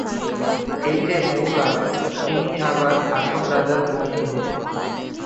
এই যে 'মৌলা' তিনিই আবার হাছন রাজার বন্ধু।